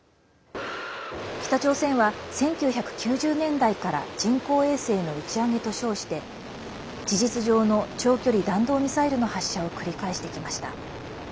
北朝鮮は１９９０年代から人工衛星の打ち上げと称して事実上の長距離弾道ミサイルの発射を繰り返してきました。